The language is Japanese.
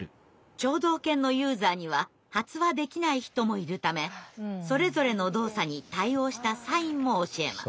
聴導犬のユーザーには発話できない人もいるためそれぞれの動作に対応したサインも教えます。